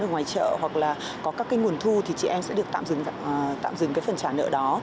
ở ngoài chợ hoặc là có các cái nguồn thu thì chị em sẽ được tạm dừng cái phần trả nợ đó